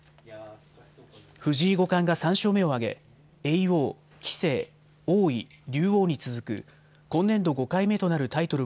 藤井五冠が３勝目を挙げ叡王、棋聖、王位竜王に続く今年度、５回目となるタイトル